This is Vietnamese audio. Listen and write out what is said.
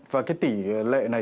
và cái tỷ lệ này